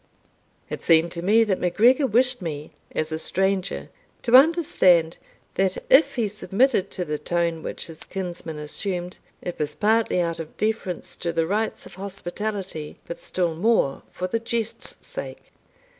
It seemed to me, that MacGregor wished me, as a stranger, to understand, that if he submitted to the tone which his kinsman assumed, it was partly out of deference to the rights of hospitality, but still more for the jest's sake.